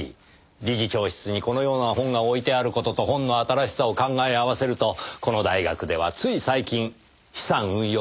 理事長室にこのような本が置いてある事と本の新しさを考え合わせるとこの大学ではつい最近資産運用を始めた。